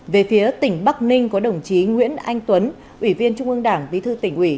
về phía tỉnh bắc ninh có đồng chí nguyễn anh tuấn ủy viên trung ương đảng bí thư tỉnh ủy